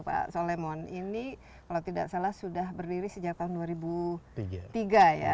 pak solemon ini kalau tidak salah sudah berdiri sejak tahun dua ribu tiga ya